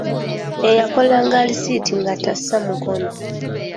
Eyakolanga alisiiti nga tassa mukono.